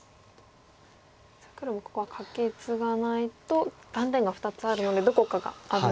黒もここはカケツガないと断点が２つあるのでどこかが危なくなります。